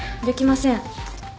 できません。